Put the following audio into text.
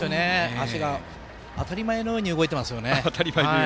足が当たり前のように動いていますね。